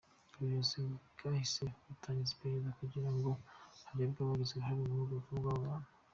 Ubuyobozi bwahise butangiza iperereza kugira ngo harebwe abagize uruhare mu rupfu rw’abo bantu.